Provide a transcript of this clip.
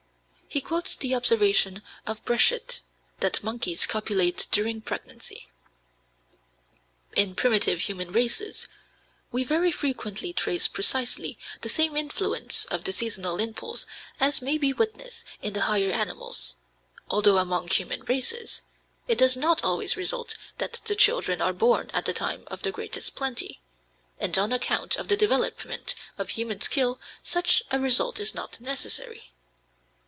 He quotes the observation of Breschet that monkeys copulate during pregnancy. In primitive human races we very frequently trace precisely the same influence of the seasonal impulse as may be witnessed in the higher animals, although among human races it does not always result that the children are born at the time of the greatest plenty, and on account of the development of human skill such a result is not necessary.